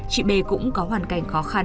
chị b cũng có hoàn cảnh khó khăn